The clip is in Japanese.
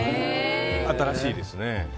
新しいですね。